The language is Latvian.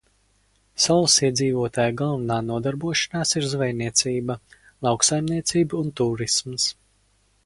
Salas iedzīvotāju galvenā nodarbošanās ir zvejniecība, lauksaimniecība un tūrisms.